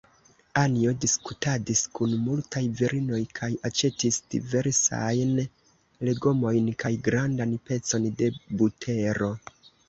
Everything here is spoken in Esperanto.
Anjo diskutadis kun multaj virinoj kaj aĉetis diversajn legomojn kaj grandan pecon da butero.